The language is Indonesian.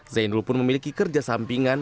zainul pun memiliki kerja sampingan